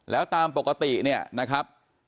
แล้วตามปกติเนี่ยนะครับ